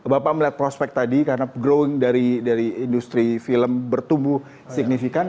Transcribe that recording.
bapak melihat prospek tadi karena grown dari industri film bertumbuh signifikan